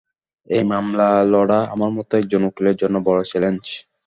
এই মামলা লড়া আমার মতো একজন উকিলের জন্য বড় চ্যালেঞ্জ।